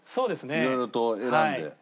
いろいろと選んで。